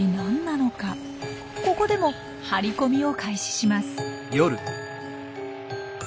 ここでも張り込みを開始します。